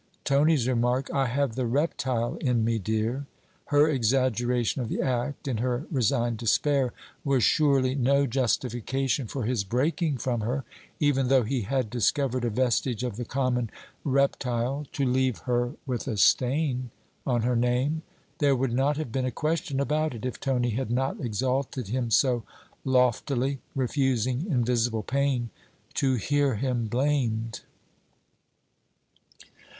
Tony's remark: 'I have the reptile in me, dear,' her exaggeration of the act, in her resigned despair, was surely no justification for his breaking from her, even though he had discovered a vestige of the common 'reptile,' to leave her with a stain on her name? There would not have been a question about it if Tony had not exalted him so loftily, refusing, in visible pain, to hear him blamed.